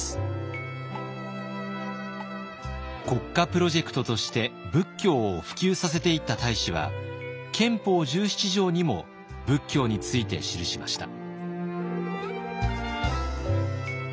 国家プロジェクトとして仏教を普及させていった太子は憲法十七条にも仏教について記しました。